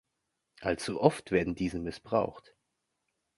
Allzu oft werden diese missbraucht.